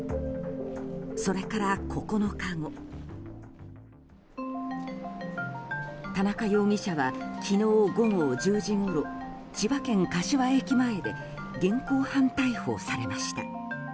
それから９日後田中容疑者は昨日午後１０時ごろ千葉県柏駅前で現行犯逮捕されました。